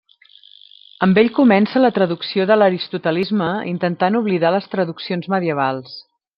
Amb ell comença la traducció de l'aristotelisme intentant oblidar les traduccions medievals.